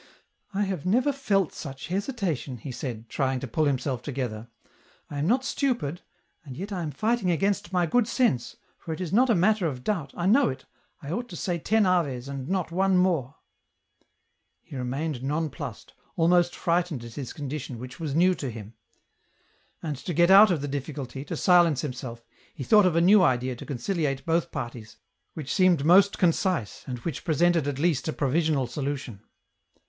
I have never felt such hesitation," he said, trying to pull himself together ;" I am not stupid and yet I am fighting against my good sense, for it is not a matter of doubt, I know it, I ought to say ten Aves and not one more !" He remained nonplussed, almost frightened at his condi tion which was new to him. And, to get out of the difficulty, to silence himself, he thought of a new idea to conciliate both parties, which seemed most concise and which presented at least a pro visional solution.